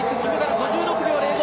５６秒０５。